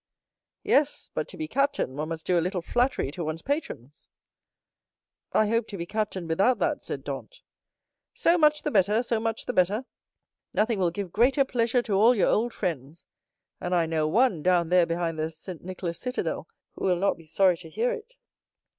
"Yes, but to be captain one must do a little flattery to one's patrons." "I hope to be captain without that," said Dantès. "So much the better—so much the better! Nothing will give greater pleasure to all your old friends; and I know one down there behind the Saint Nicolas citadel who will not be sorry to hear it."